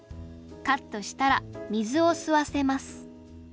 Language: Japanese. カットしたら水を吸わせます